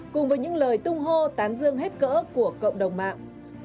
cùng với những lời tung hô tán dương hết cỡ của cộng đồng mạng